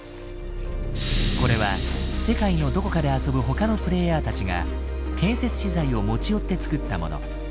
これは世界のどこかで遊ぶ他のプレイヤーたちが建設資材を持ち寄ってつくったもの。